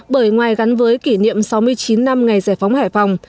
bởi ngoài gắn với kỷ niệm sáu mươi chín năm ngày giải phóng hải phòng